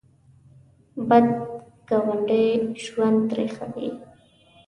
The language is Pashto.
بد ګاونډی ژوند تریخوي